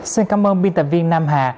xin cảm ơn biên tập viên nam hà